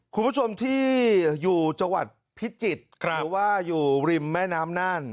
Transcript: คุณผู้ชมที่อยู่จังหวัดพิจิตรหรือว่าอยู่ริมแม่น้ำนั่น